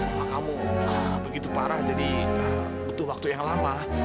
rumah kamu begitu parah jadi butuh waktu yang lama